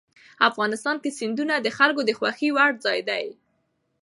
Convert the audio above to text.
افغانستان کې سیندونه د خلکو د خوښې وړ ځای دی.